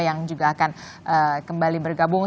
yang juga akan kembali bergabung